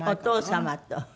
お父様と。